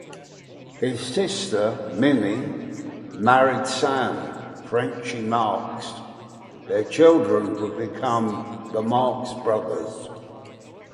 His sister, Minnie, married Sam "Frenchie" Marx; their children would become the Marx Brothers.